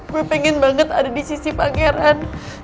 gue pengen banget ada di sisi pangeran